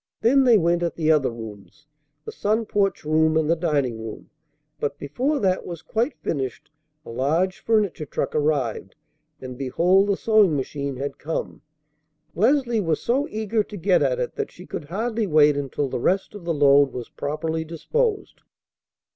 Then they went at the other rooms, the sun porch room and the dining room. But before that was quite finished a large furniture truck arrived, and behold the sewing machine had come! Leslie was so eager to get at it that she could hardly wait until the rest of the load was properly disposed.